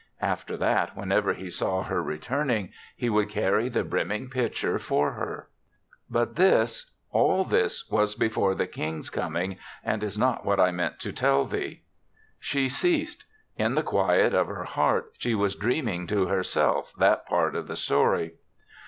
After that, whenever he saw her returning, he would carry the brimming pitcher for her. But this, all this was before the King's coming and is not what I meant to tell thee." She ceased; in the quiet of her heart she was dreaming to herself that part of the story.